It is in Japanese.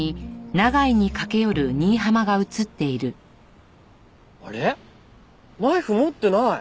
ナイフ持ってない。